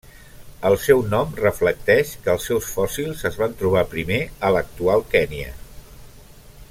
El seu nom reflecteix que els seus fòssils es van trobar primer a l'actual Kenya.